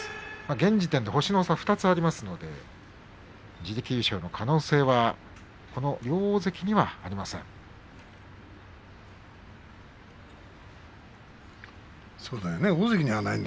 現時点で星の差２つありますので自力優勝の可能性はこの両大関にはありません。